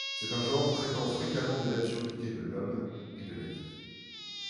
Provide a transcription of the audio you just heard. C'est un genre traitant fréquemment de l'absurdité de l'Homme et de la vie.